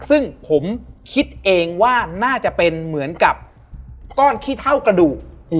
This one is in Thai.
ซึ่งผมคิดเองว่าน่าจะเป็นเหมือนกับก้อนขี้เท่ากระดูก